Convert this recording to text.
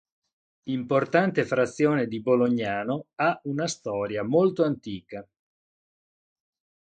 Importante frazione di Bolognano, ha una storia molto antica.